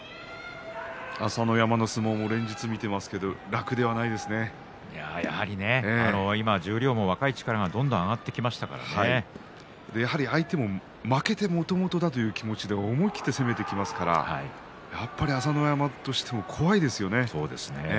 朝乃山の相撲も連日見ていますけれど今十両も若い力がやはり相手も負けてもともとだという気持ちで思い切って攻めてきますからやっぱり朝乃山としても怖いですよね。